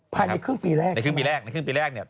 ผ่านในครึ่งปีแรกใช่ไหมครับในครึ่งปีแรก